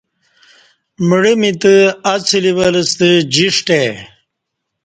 مڑہ می تہ اہ څلی ول ستہ جݜٹ ای